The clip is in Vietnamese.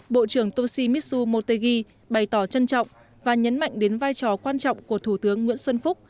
bộ trưởng toshimitsu motegi bày tỏ trân trọng và nhấn mạnh đến vai trò quan trọng của thủ tướng nguyễn xuân phúc